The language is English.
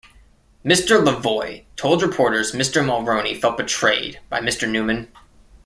Mr. Lavoie told reporters Mr. Mulroney felt betrayed by Mr. Newman.